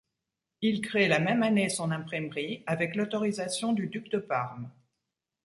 Il crée la même année son imprimerie avec l'autorisation du duc de Parme.